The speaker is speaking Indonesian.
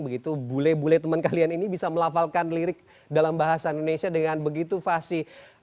begitu bule bule teman kalian ini bisa melafalkan lirik dalam bahasa indonesia dengan begitu fasi